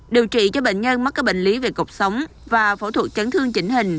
điều trị cho bệnh nhân mất cái bệnh lý về cục sống và phẫu thuật chấn thương chỉnh hình